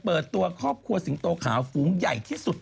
เปิดตัวครอบครัวสิงโตขาวฝูงใหญ่ที่สุด